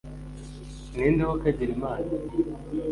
ninde wo kagira imana